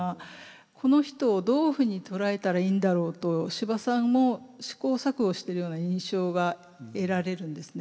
この人をどういうふうに捉えたらいいんだろうと司馬さんも試行錯誤してるような印象が得られるんですね。